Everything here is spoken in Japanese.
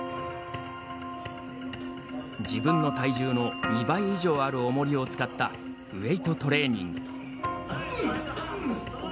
自分の体重の２倍以上あるおもりを使ったウエイトトレーニング。